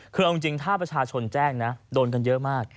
คือเอาจริงถ้าประชาชนแจ้งนะโดนกันเยอะมาก